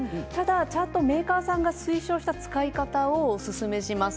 ちゃんとメーカーさんが推奨した使い方をおすすめします。